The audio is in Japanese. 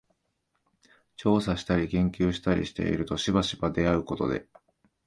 調査したり研究したりしているとしばしば出合うことで、